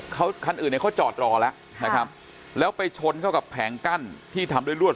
เขาคันอื่นเนี่ยเขาจอดรอแล้วนะครับแล้วไปชนเข้ากับแผงกั้นที่ทำด้วยลวด